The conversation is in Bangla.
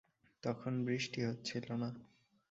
তখন বৃষ্টি হচ্ছিল না।